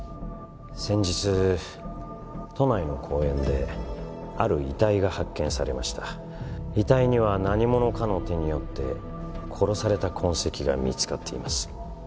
先日都内の公園である遺体が発見されました遺体には何者かの手によって殺された痕跡が見つかっています